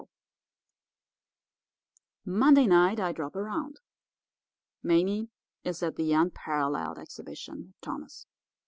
"Monday night I drop around. Mame is at the Unparalleled Exhibition with Thomas.